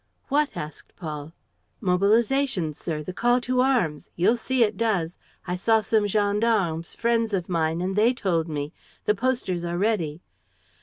"What?" asked Paul. "Mobilization, sir, the call to arms. You'll see it does. I saw some gendarmes, friends of mine, and they told me. The posters are ready."